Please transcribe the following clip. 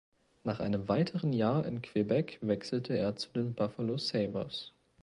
Nach einem weiteren Jahr in Quebec wechselte er zu den Buffalo Sabres.